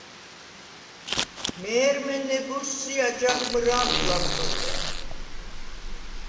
მე̄რმე ნებოზსი̄ აჯაღ მჷრა̄მდ ლამტუ̄ლე.